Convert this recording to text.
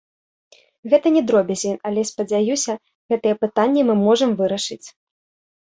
Гэта не дробязі, але, спадзяюся, гэтыя пытанні мы можам вырашыць.